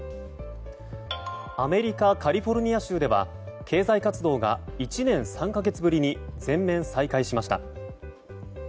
アメリカカリフォルニア州では経済活動が１年３か月ぶりに全面再開しました。